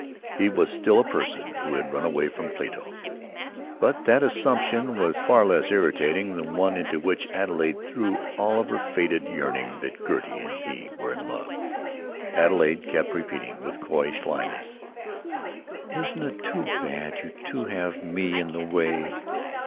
He was still a person who had run away from Plato! But that assumption was far less irritating than one into which Adelaide threw all of her faded yearning—that Gertie and he were in love. Adelaide kept repeating, with coy slyness: "Isn't it too bad you two have me in the way!"